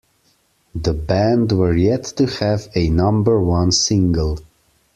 The band were yet to have a number one single.